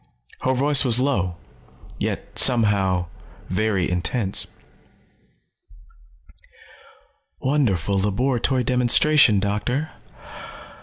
Her voice was low, yet somehow, very intense. "Wonderful laboratory demonstration, Doctor.